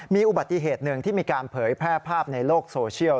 มีอุบัติเหตุหนึ่งที่มีการเผยแพร่ภาพในโลกโซเชียล